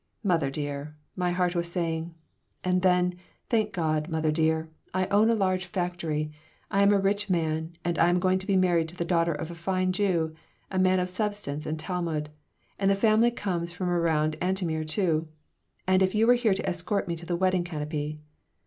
Mother dear!" my heart was saying. And then: "Thank God, mother dear! I own a large factory. I am a rich man and I am going to be married to the daughter of a fine Jew, a man of substance and Talmud. And the family comes from around Antomir, too. Ah, if you were here to escort me to the wedding canopy!"